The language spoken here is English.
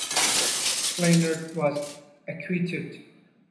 Kleinert was acquitted.